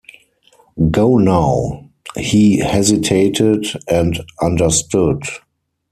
“Go now.” He hesitated and understood.